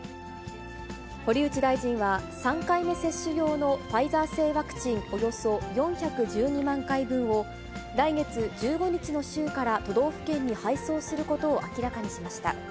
堀内大臣は３回目接種用のファイザー製ワクチンおよそ４１２万回分を、来月１５日の週から都道府県に配送することを明らかにしました。